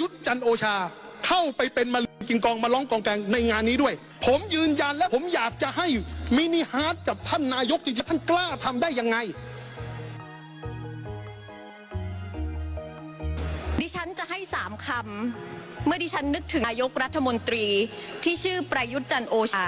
ดิฉันจะให้๓คำเมื่อดิฉันนึกถึงนายกรัฐมนตรีที่ชื่อประยุทธ์จันทร์โอชา